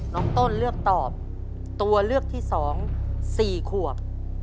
น้องต้นเลือกตอบตัวเลือกที่๒๔ขวบ